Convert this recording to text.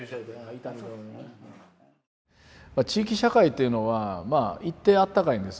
地域社会というのはまあ一定あったかいんです。